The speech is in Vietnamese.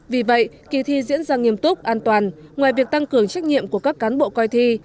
vì vậy kỳ thi diễn ra nghiêm túc an toàn ngoài việc tăng cường trách nhiệm của các cán bộ coi thi